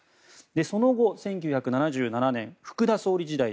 その後、１９７７年福田総理時代